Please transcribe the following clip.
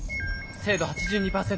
精度８２％。